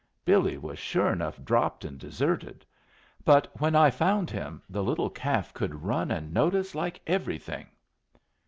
Billy was sure enough dropped and deserted. But when I found him the little calf could run and notice like everything!"